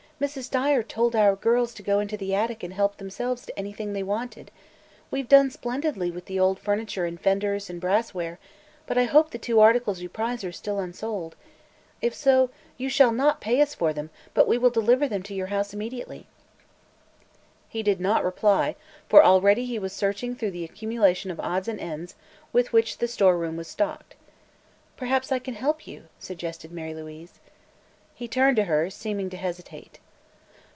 Mrs. Dyer told our girls to go into the attic and help themselves to anything they wanted. We've done splendidly with the old furniture, and fenders, and brassware, but I hope the two articles you prize are still unsold. If so, you shall not pay us for them, but we will deliver them to your house immediately." He did not reply, for already he was searching through the accumulation of odds and ends with which the store room was stocked. "Perhaps I can help you," suggested Mary Louise. He turned to her, seeming to hesitate.